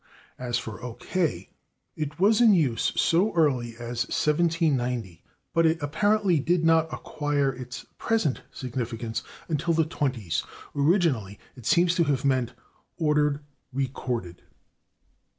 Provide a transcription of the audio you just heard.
As for /O. K./, it was in use so early as 1790, but it apparently did not acquire its present significance until the 20's; originally it seems to have meant "ordered recorded."